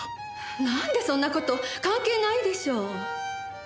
なんでそんな事関係ないでしょ！